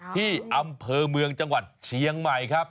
ที่อำเภอเมืองจังหวัดเชียงใหม่ครับ